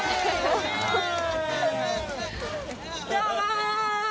どうもー！